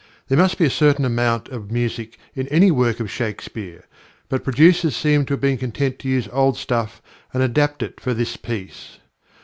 There must be a certain amount of music in any work of Shakespeare, but producers appear to have been content to use old stuff and adapt it for this piece.